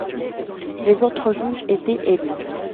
Les autres juges étaient élus.